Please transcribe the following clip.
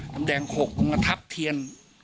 น้ำแดงขกมาทับเทียน